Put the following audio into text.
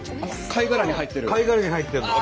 貝殻に入ってるの。